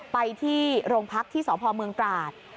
ไปที่โรงพักที่สพเมืองตราด